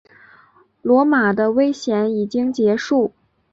罗马的危险已经结束。